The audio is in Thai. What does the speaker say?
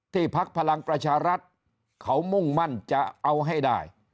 พักพลังประชารัฐเขามุ่งมั่นจะเอาให้ได้